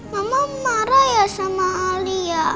mama marah ya sama alia